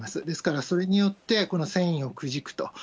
ですから、それによって戦意をくじくと。